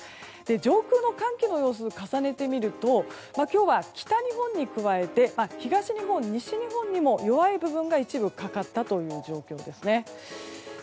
上空の寒気の様子、重ねて見ると今日は、北日本に加えて東日本、西日本にも一部かかったという状況です。